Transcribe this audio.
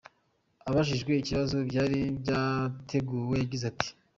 Abajijwe ibibazo byari byateguwe yagize ati:.